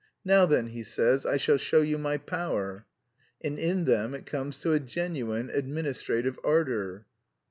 'Now then,' he says, 'I shall show you my power'... and in them it comes to a genuine, administrative ardour.